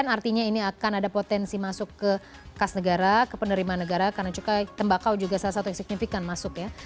artinya ini akan ada potensi masuk ke kas negara ke penerimaan negara karena cukai tembakau juga salah satu yang signifikan masuk ya